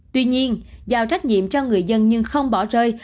tuy nhiên giao trách nhiệm cho người dân nhưng không bỏ rơi